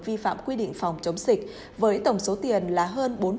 vi phạm quy định phòng chống dịch với tổng số tiền là hơn bốn sáu tỷ đồng